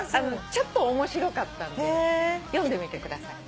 ちょっと面白かったんで読んでみてください。